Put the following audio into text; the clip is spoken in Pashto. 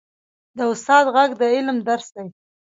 د استاد ږغ د علم درس دی.